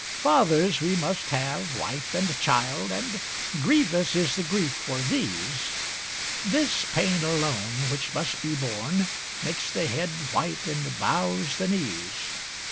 Fathers we must have, wife and child, And grievous is the grief for these; This pain alone, which must be borne, Makes the head white, and bows the knees.